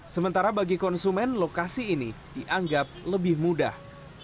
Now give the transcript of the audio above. sementara bagi konsumen lokasi ini dianggap lebih mudah